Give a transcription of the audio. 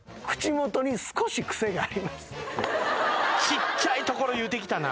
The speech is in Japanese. ちっちゃいところ言うてきたな。